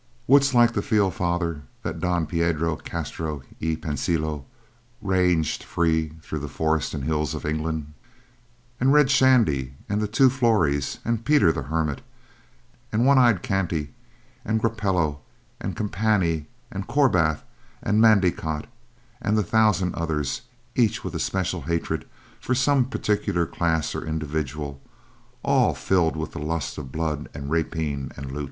Wouldst like to feel, Father, that Don Piedro Castro y Pensilo ranged free through forest and hill of England? "And Red Shandy, and the two Florys, and Peter the Hermit, and One Eye Kanty, and Gropello, and Campanee, and Cobarth, and Mandecote, and the thousand others, each with a special hatred for some particular class or individual, and all filled with the lust of blood and rapine and loot.